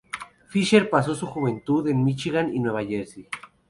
Fischer pasó su juventud en Míchigan y Nueva Jersey.